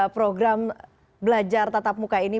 program belajar tatap muka ini